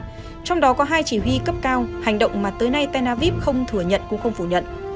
trong đó có hai chỉ huy cấp cao hành động mà tới nay tel aviv không thừa nhận cũng không phủ nhận